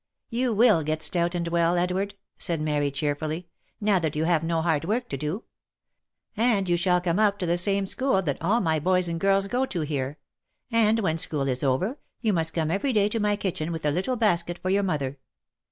" You will get stout and well, Edward," said Mary, cheerfully, " now that you have no hard work to do. And you shall come up to the same school that all my boys and girls go to here — and when school is over, you must come every day to my kitchen with a little basket for your mother.